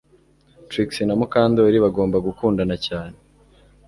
Trix na Mukandoli bagomba gukundana cyane